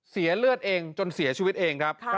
สีเหลือดจนเสียชีวิตเอง